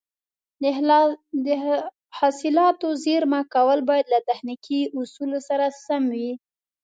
د حاصلاتو زېرمه کول باید له تخنیکي اصولو سره سم وي.